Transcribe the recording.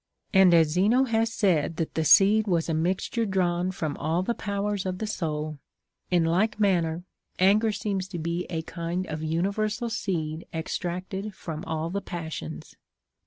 15. And as Zeno has said that the seed was a mixture drawn from all the powers of the soul, in like manner an ger seems to be a kind of universal seed extracted from all the passions.